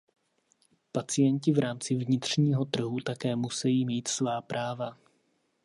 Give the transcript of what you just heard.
Pacienti v rámci vnitřního trhu také musejí mít svá práva.